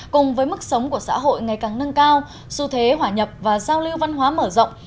cùng với mức sống của xã hội ngày càng nâng cao xu thế hỏa nhập và giao lưu văn hóa mở rộng